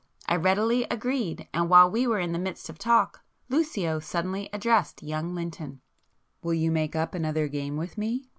I readily agreed, and while we were in the midst of talk, Lucio suddenly addressed young Lynton. "Will you make up another game with me?"